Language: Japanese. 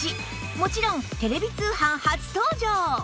もちろんテレビ通販初登場！